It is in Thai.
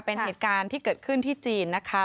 เป็นเหตุการณ์ที่เกิดขึ้นที่จีนนะคะ